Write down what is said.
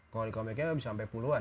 kalau di komiknya bisa sampai puluhan